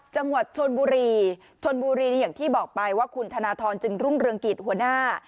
จังหวัดชนบุรีชนบุรีนี่อย่างที่บอกไปว่าคุณธนทรจึงรุ่งเรืองกิจหัวหน้า